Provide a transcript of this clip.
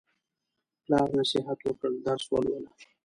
پلار نصیحت وکړ: درس ولوله.